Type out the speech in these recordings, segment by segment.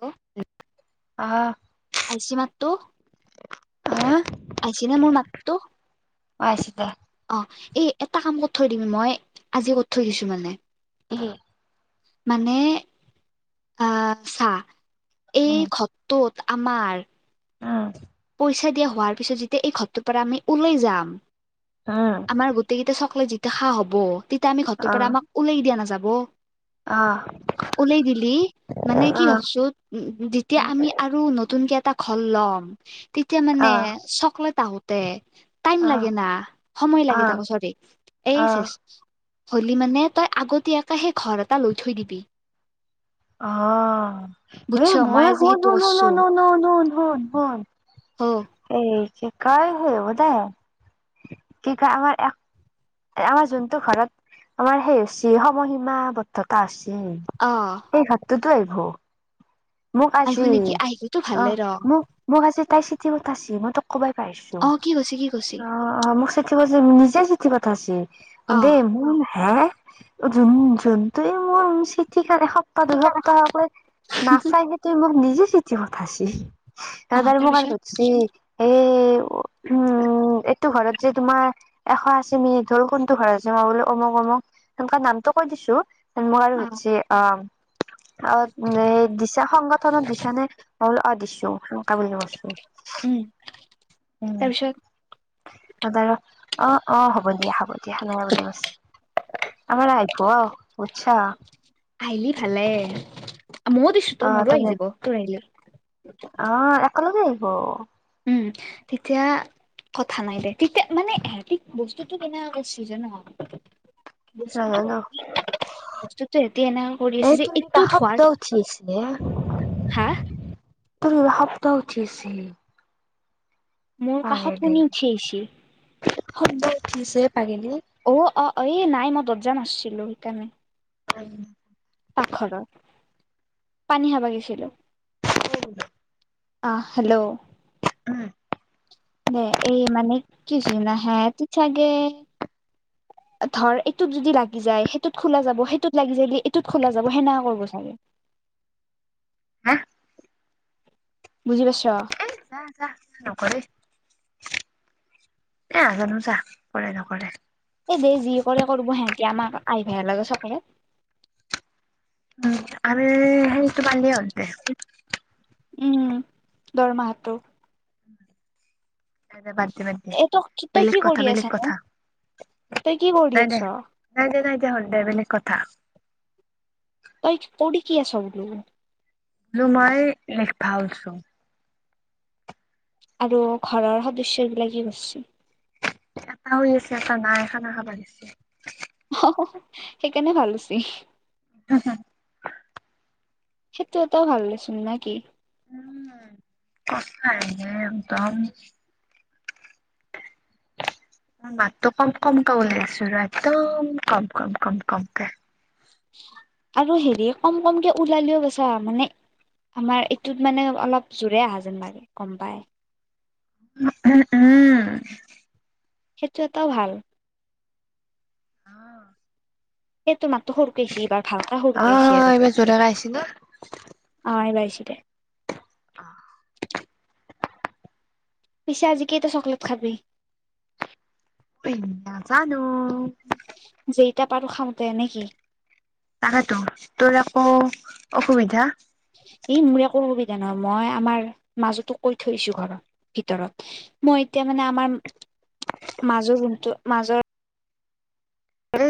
Hello! আহা আহিছে মাততো? হা? আহিছে নে মোৰ মাততো? আহিছে দে। অ এই এটা কাম কৰ থৈ দিম মই আজি কৰি থৈ দিছো মানে উম মানে আহ চা এই হন ঘৰটোত আমাৰ পইচা দিয়া হোৱাৰ পিছত যেতিয়া এই ঘৰটোৰ পৰা আমি ওলাই যাম উম আমাৰ গোটেই কেইটা চকলে যেতিয়া খা হব তেতিয়া আমি আমাক উওলাই দিয়া নাযাব। উলাই দিলি মানে কি ভাবিছো উম যেতিয়া আমি আৰু নতুনকে এটা ঘৰ ল'ম তেতিয়া মানে চকলেট আহোতে টাইম লাগে না সময় লাগে তাকো চৰী এই চে হ'লি মানে তই আগতীয়াকৈ সেই ঘৰ এটা লৈ থৈ দিবি। অ, এ বুজছ মই ভই আজি শুন সেইটো শুন কৰছো শুন শুন শুন শুন। উম এই কি কয় হব দে কি কয় আমাৰ আমাৰ যোনটো ঘৰত আমাৰ সেই হৈছে সময় সীমা বদ্ধতা আছে। অঁ। সেই ঘৰটোতো আহিব মোক আহিব আজি নেকি আহিলেতো অ ভালে ৰ মোক মোক আজি তাই চিটি পতাইছে। মই তোক কবাই পাহৰিছো। অ কি কৈছি কি কৈছি অ। অ মোক চঠি পঠাইছে, নিজে চিঠি পঠাইছে। অ দেই মোৰ হে যোন যোনটো মোৰ চিঠি কাৰাৰে সপ্তাহ দুসপ্তাহকৈ নাচাই সেইটোয়ে মোক নিজে চিঠি পঠাইছি তাৰপিছত আৰু মোক আৰু সুধিছি [inaudible] উম এইটো ঘৰত যে তোমাৰ এশ আশী মিনিট হল কোনটো ঘৰত জম ব অমক অমক তেনেকুৱা নামটো কৈ দিছো। মোক আৰু অ সুধিছি অ অ এই [inaudible] দিছা সংগঠনত দিছা নে? মই বোলো অ দিছো সেনেকে বুলি কৈছো। উম তাৰপিছত দাদাও অ অ হ'ব দিয়া হ'ব দিয়া সনেকে বুলি কৈছে। আমাৰ আহিপুৱাৰ বুজিছা আহিলি ভালে, মইয়ো দিছো ত মোৰো আহি যাব, তোৰ আহিলে। অঁ একেলগে আহিব। উম তেতিয়া কথা নাই দে তেতিয়া মানে সিহঁতি বস্তুটো কেনে গৈছিল জানা নাজানো বস্তুটো সেঁতি এনেক কৰি এই আছে যে তোৰ কিবা এইটো শব্দ ধোৱা, উঠি আছে হা? [unintelligible] শব্দ উঠি আছে মোৰ কাষত কোনো উঠি আহিছে খদ উঠিছে পাগেনে। অ অ এই নাই মই দৰ্জাম আাছিলো সেইকাৰণে। নাই। পাকখৰৰ পানী হাবাগিছিলো। উম। অ হেল্ল'। উম। দে এই মানে কিছুনা হে তো চাগে। ধৰ এইটোত যদি লাগি যায় সেইটোত খোলা যাব সেইটোত লাগি যায় বুলি এইটোত খোলা যাব সেনেকা কৰিব চাগে। হা। বুজি পাইছ। না না নকৰেই। এহ জানো চা কৰেই নকৰে। এই দেই যি কৰে কৰিব সিহঁতি আমাক আই ভাইৰ লগে চকে। উম আৰু সেইৰিতো পালিয়ে অন্তে। উম দৰমাহতো। নাই দে বাদ দে বাদ দে এইটো কি তই বেলেগ কি কথা কৰি আছ বেলেগ কথা ন। তুই কি কৰি নাই দে আছ। নাই নাই হনতেহ বেলেগ কথা। তই অওদি কি কৰি আছ। ৰুমা এই নেকফাওচোন। আৰু ঘৰৰ সদস্য বিলাকে কি গৈছে। এটাও আছে এটা নাই খানা খাবা দিছে। অ সেইকাৰণে ভাল হৈছি। উম হুম। সেইটো এটা ভাল দে চোন না কি। উম কতো নাইএকদম। [inaudible] ভাতটো কম কম কে বনাই আছোঁ একদম কম কম কম কমকে। আৰু হেৰি কম কমকে ওলালেও বছা মানে। আমাৰ এইটোত মানে অলপ জোৰে অহা যেন লাগে গম পায়। উম উম। সেইটো এটাও ভাল। সেই তো মাত্ৰ সৰুকছি এইবাৰ ভালকা অ সৰুকে আছি আৰু। এইবাৰ জোৰেৰে আহিছে নে? অ এইবাৰ আইছেদে। অ। পিছে আজি কেইটা চকলেট খাবি। মই নাজানো। যিইটা পাৰো খাওঁতে নেকি। তাকেতো তোৰ আকৌ অসুবিধা। ই মই একো অসুবিধা নহয় মই আমাৰ মাজুটো কৈ থৈছো ঘৰত ভিতৰত। মই এতিয়া মানে আমাৰ মাজৰ ৰুমটো মাজৰ। এ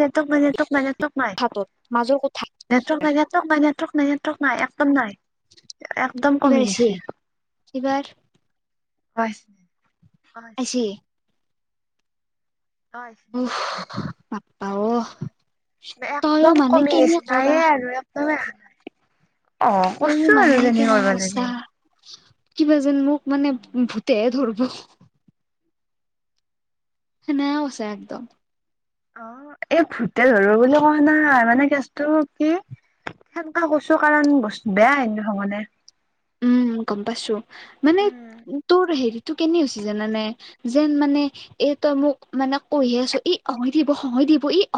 নেটৱৰ্ক নাই নেটৱৰ্ক নাই নেটৱৰ্ক নাই। হাতত মাজৰ কথা। নেটৱৰ্ক নাই নেটৱৰ্ক নাই নেটৱৰ্ক নাই একদম নাই। একদম এইবাৰ কমি আহিছি গিচে এইবাৰ [unintelligible] আহিছি নহয় উফ বাপ্পা অ তইও একদম মানে কমি কেনে আহিছে কৰা নাইয়ে আৰু একদম এ অ তইও কৈছোঁ মানে আৰু তেনেক কেনে কৰিব কৰছা লাগে কিবা যেন মোক মানে ভূতেহে ধৰিব হেনে হৈছে একদম অ এই [unintelligible] [unintelligible] বুলি কোৱা নাই মানে কেছটো কি সেনকা কৈছো কাৰণ বস্তু বেয়া হন মানে উম গম পাইছো মানে তোৰ হেৰিটো কেনে হৈছে জানানে [unintelligible]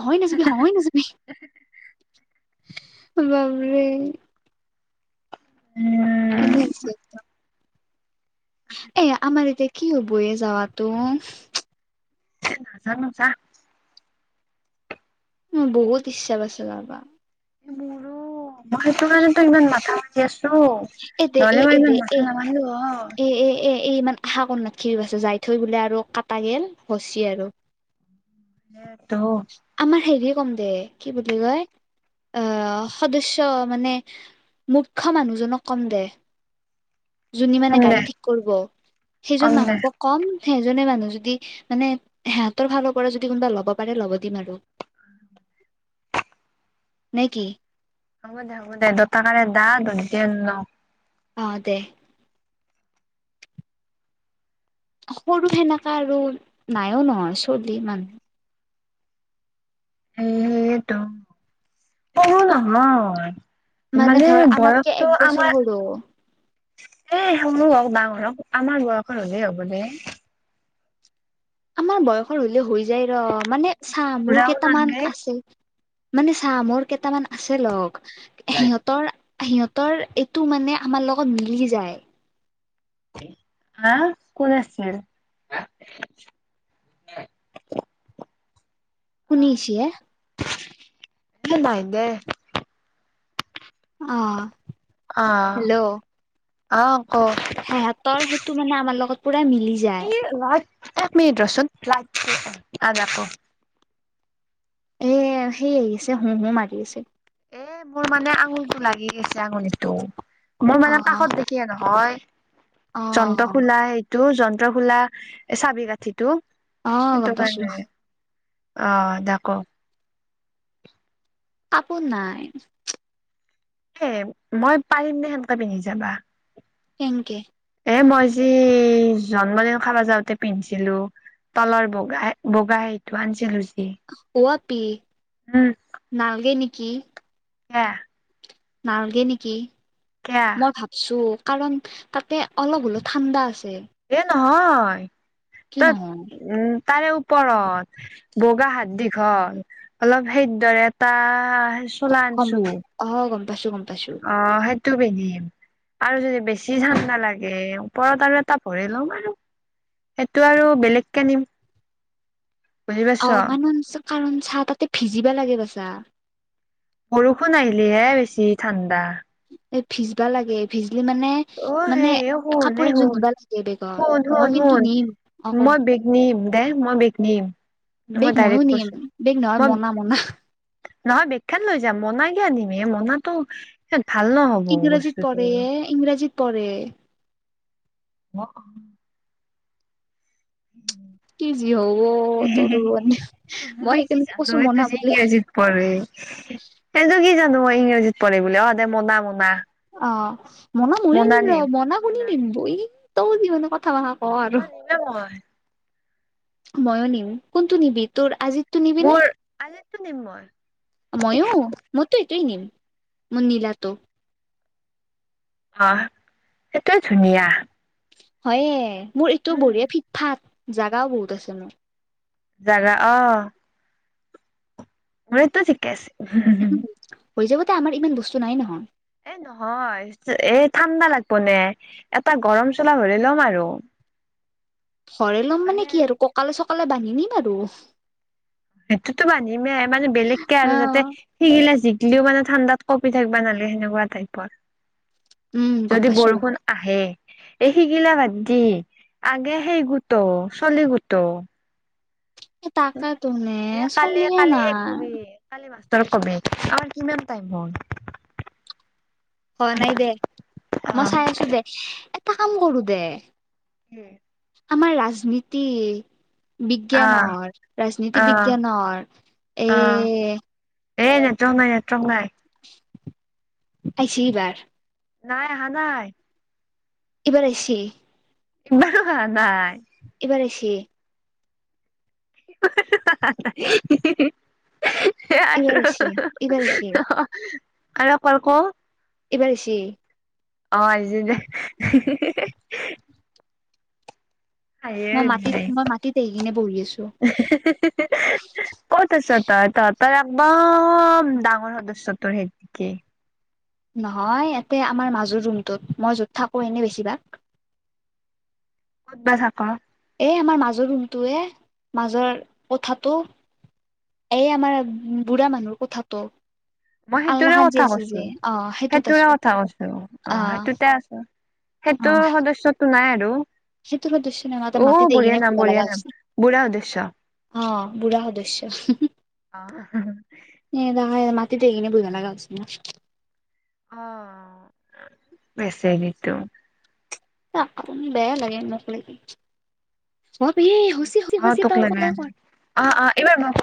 হৈ নাযাবি হৈ নাযাবি বাবৰে [unintelligible] কেনে আহিছে এয়া আমাৰ এতিয়া কি হবয়ে যাৱাতো [unintelligible] মোৰ বহুত ইচ্ছা গৈছে যাবা মোৰো মই সেইটো কাৰণেতো ইমান নাখাওঁ এ দে এ এ দে এ [unintelligible] এ এ এ এ ইমান আশা কৰি নাতকিবি যাই থৈ বোলে আৰু কাটা গল হচি আৰু [inaudible] সেটো আমাৰ হেৰি কম দে কি বুলি কয় আহ সদস্য মানে মূৰ্খ্য মানুহজনক কম দে যোনে মানে কম গাড়ী দে ঠিক কৰিব সেইজন কম দে মানুহকক কম সেইজনে মানুহ যদি মানে সিহঁতৰ ফালৰ পৰা যদি কোনোবা ল'ব পাৰে ল'ব দিম আৰু নে কি হ'ব দে হ'ব দে দা ন অ দে সৰু সেনেকা আৰু নাইও নহয় চলি মানুহ এটো বহু নহয় মানে ধৰ আমাতকে বয়সটো এক বছৰ আমাৰ সৰু এ সেইনো হওক ডাঙৰ হওক আমাৰ বয়স হ'লেই হ'ব দে আমাৰ বয়সৰ হলে হৈ যায় ৰ মানে চাহ মোৰ বুঢ়াও কেইটামান নালগে আছে মানে চাহ মৰ কেইটামান আছে লগ সিহঁতৰ সিহঁতৰ এইটো মানে আমাৰ লগত মিলি যায় আহ কোন আছিলে শুনিছিয়ে [unintelligible] অ অ হেল্ল' অ অ ক সিহঁতৰ সেইটো মানে আমাৰ লগত পুৰা মিলি যায় এই ৰা এক মিনিট ৰচোন ল আজাক এ সেই আহিছে হোহো মাৰি আছে এ মোৰ মানে আঙুলটো লাগি গৈছে আঙুলিটো। মোৰ অ মানে কাষত দে কিয়ে নহয় অ যন্ত্ৰ খোলা সেই টো যন্ত্ৰ খোলা চাবি কাঁঠিটো অ গম সেইটো পাইছো কাৰণে অ দাকো কাপোৰ নাই। এ মই পাৰিম নে সেনেকাে পিন্ধি যাবা কেংকে? এ মই যি জন্মদিন খাব যাওঁতে পিন্ধিছিলো। তলৰ বগা বগা সেইটো আনিছিলো যি ও আপি উম নালগে নেকি কিয়া? নালগে নেকি কেয়া মই ভাবো চু কাৰণ তাতে অলপ হ'লো ঠাণ্ডা আছে এ নহয় কি ত নহয় উম তাৰে উপ ওপৰত বগা হাত দীঘল অলপ সেই দৰে এটা চোলা গম আনিছো অ গম পাইছো গম পাই অ সেই টো পিন্ধিম। আৰু যদি বেছি ঠাণ্ডা লাগে ওপৰত আৰু এটা ভৰি লম আৰু। সেইটো আৰু বেলেগ কে নিম। বুজি পাইছ অ কানন কাৰণ চাহ তাতে ভিজিবা লাগে বাচা বৰষুণ আহিলিহে বেছি ঠাণ্ডা। এ ভিজবা লাগে ভিজলি মানে অ মানে হে এ শুন, কাপোৰ এ একযোৰ শুন, নিবা লাগে বেগত মই কিন্তু শুন-শুন-শুন নিম অ মই বেগ নিম দে মই বেক নিম। মই বেগ ময়ো ডাইৰেক্ট নিয়ম, কৈছো বেগ নহয় মই মনা মনা। নহয় বেগখান লৈ যাম মনা কিয়া নিম এ মনাটো ভাল নহ ইংৰাজীত পঢ়ে এ, ইংৰাজীত পঢ়ে। অ কি যি হ'ব তোৰ লগত, মই কি সেইকাৰন জানো কৈছো এইটো মনা যে বুলি। ইংৰাজীত পঢ়ে। এইটো কি জানো মই ইংৰাজীত পঢ়িম বুলি, অহ দে মনা মনা। অ মনা ময়ো নিম ৰ, মনা কোনি মোনা নিমব ই তৌ যিন কথা মাখা মনা নিমে মই। মইওঁ নিম। কোনটো নিবি? তোৰ আজি মোৰ আজিৰটো নিম ময়। মইও মইতো এইটোৱে নিম, মোৰ নীলাতো। অ সেতোয়ে ধুনীয়া। হয়ে মোৰ এইটো উম বঢ়িয়া ফিট-ফাট জাগাও বহুত আছে মোৰ। জাগা অ। মোৰতো থিকে আছে উম হৈ যাবদে আমাৰ ইমান বস্তু নাই নহয়। এ নহয় এ ঠাণ্ডা লাগব নে, এটা গৰম চোলা ভৰাই ল'ম আৰু। ভৰাই ল'ম মানে কি আৰু, ককালে-চকালে বান্ধি নিম আৰু। সেইটোতো বান্ধিমে মানে বেলেগকে অ আৰু যাতে শিগিলা জিকিলেওঁ মানে ঠাণ্ডাত কপি থাকবা নালগে তেনেকুৱা টাইপৰ। উম গম যদি পাইছো বৰষুণ আহে এই শিকিলা বাদ দে আগে সেই গোত' চলি গোত'। টাকেটো নে এ কালি চলিয়ে কালি সেই নাই। কবি কালি মাষ্টৰক কবি আমাৰ কিমান টাইম হ'ল। হোৱা নাই দে মই চাই আছোঁ দে এটা কাম কৰো দে। উম। আমাৰ ৰাজনীতি। বিজ্ঞানৰ ৰাজনীতি বিজ্ঞানৰ এ'। এ নেটৱৰ্ক নাই নেটৱৰ্ক নাই। আহিছি এই বাৰ। নাই আহা নাই। এইবাৰ আহিছে। বা হা হা আহা নাই। এইবাৰ আহিছে। হা হা হা হা ই ই ই হে অ এইবাৰ আহিছি এইবাৰ আহিছি হ অ হ আৰু কল ক। এইবাৰ আহিছে। অ', আহিছিলে হে হে হে। হাঁহিয়ে মই মাটিত উঠিছে এ মই মাটিত আহি কিনে বহি আছো হে হে। ক'ত আছ' তই তহঁতৰ একদম ডাঙৰ সদস্য তোৰ হে একেই। নহয় ইয়াতে আমাৰ মাজৰ ৰুমটোত মই য'ত থাকো এনেই বেছিভাগ। ক'ত বা থাক। এ আমাৰ মাজৰ ৰুমটোয়ে মাজৰ কোঠা টো। এই আমাৰ বুঢ়া মানুহৰ কোঠা টো। মই সেইটোৰে কথা কৈছো অ সেইটোত সেইটোৰে আছো কথা কৈছো অ', সেইটোতে আছো। অ সেইটোৰ সদস্য টো নাই আৰু। সেইটো সদস্য নহয় মাত্ৰ মাটিত অ', আহি কিনে বঢ়িয়া বহিব নাম লগা বঢ়িয়া নাম হৈছে। বুঢ়া সদস্য। অ', বুঢ়া সদস্য হু হু হম। অ অহ। এ নহয় মাতিটো কেনে বহিব‌ লাগা হৈছে না। অ', বেচেৰি তো। আপুনি বেয়া লাগে মোক লৈ অবি হু। অ', তোক লাগে অ', অ', এইবাৰ মোক।